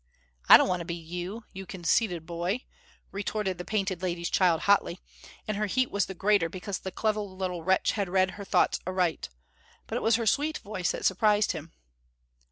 "I don't want to be you, you conceited boy," retorted the Painted Lady's child hotly, and her heat was the greater because the clever little wretch had read her thoughts aright. But it was her sweet voice that surprised him.